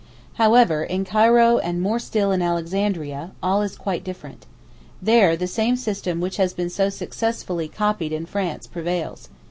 However, in Cairo and more still in Alexandria, all is quite different. There, the same system which has been so successfully copied in France prevails.